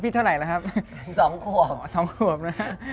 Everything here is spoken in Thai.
พี่ลินกระจักรแก้ก่อน